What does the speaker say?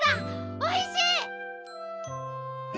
おいしい！